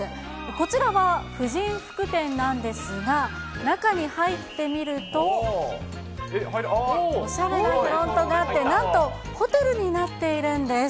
こちらは婦人服店なんですが、中に入って見ると、おしゃれなフロントがあって、なんとホテルになっているんです。